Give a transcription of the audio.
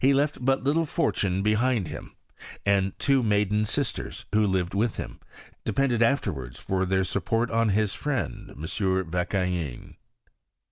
He left but little fortune behind him ; and two maiden sistera, vho lived with him, depended afterwards for theic support on his friend M. Vauquelin.